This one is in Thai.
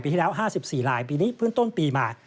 ปีที่แล้ว๕๔รายปีนี้พื้นต้นปีมา